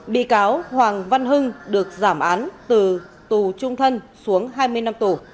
bị cáo hoàng văn hưng được giảm án từ tù trung thân xuống hai mươi năm tù